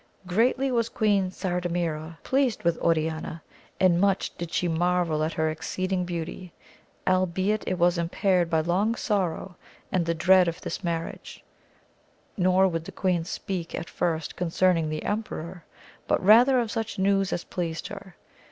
Greatly was Queen Sardamira pleased 2—2 20 AMADIS OF GAUL. with Oriana, and much did she marvel at her exceeding beauty ; albeit it was impaired by long sonx)w, and the dread of this marriage : nor would the queen speak at first concerning the emperor, but rather of such news as pleased her.